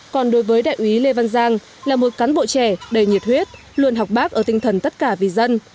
còn đối với đại úy lê văn giang là một cán bộ trẻ đầy nhiệt huyết luôn học bác ở tinh thần tất cả vì dân